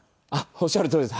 おっしゃるとおりです。